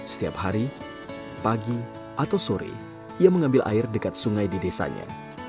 setiap hari pagi atau sore ia mengambil air dekat sungai di desanya